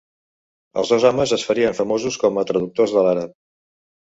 Els dos homes es farien famosos com a traductors de l'àrab.